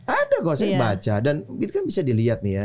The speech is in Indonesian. ada nggak usah baca dan itu kan bisa dilihat nih ya